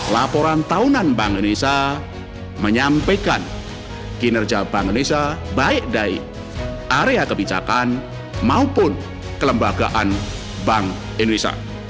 laporan tahunan bank indonesia menyampaikan kinerja bank indonesia baik dari area kebijakan maupun kelembagaan bank indonesia